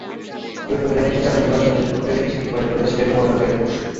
Republican নেতৃত্বের চাপেই নির্বাচনী প্রক্রিয়া থেকে ছিটকে পড়েন ফ্লোরিডার সাবেক গভর্নর জেব বুশ।